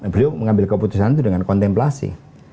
beliau mengambil keputusan itu dengan kontemplasi